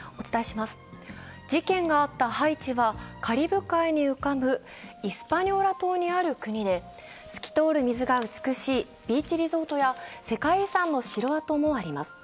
事件があったハイチはカリブ海に浮かぶイスパニョーラ島にある国で透き通る水が美しいビーチリゾートや世界遺産の城跡もあります。